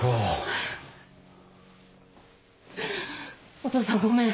お父さんごめん